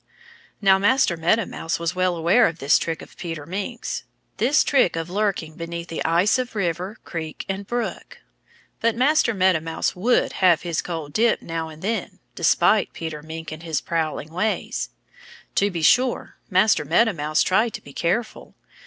Now, Master Meadow Mouse was well aware of this trick of Peter Mink's this trick of lurking beneath the ice of river, creek and brook. But Master Meadow Mouse would have his cold dip now and then despite Peter Mink and his prowling ways. To be sure, Master Meadow Mouse tried to be careful.